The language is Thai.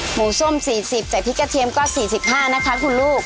ส้ม๔๐ใส่พริกกระเทียมก็๔๕นะคะคุณลูก